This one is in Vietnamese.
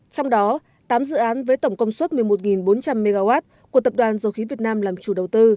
trong đó tám dự án với tổng công suất một mươi một bốn trăm linh mw của tập đoàn dầu khí việt nam làm chủ đầu tư